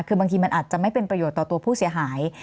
คือบางทีมันอาจจะไม่เป็นประโยชน์ต่อตัวผู้เสียหาย